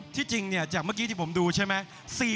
ที่จริงจากเมื่อกี้ที่ผมดูใช่ไหม